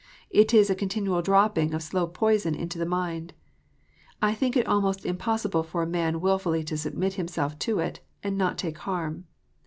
It is a continual dropping of slow poison into the mind. I think it almost impossible for a man wilfully to submit him self to it, and not take harm.